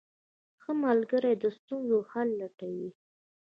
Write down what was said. ښه ملګری د ستونزو حل لټوي.